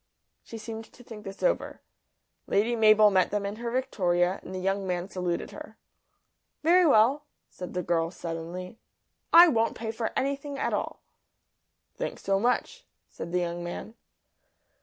She seemed to think this over. Lady Mabel met them in her victoria, and the young man saluted her. "Very well," said the girl, suddenly. "I won't pay for anything at all." "Thanks so much," said the young man.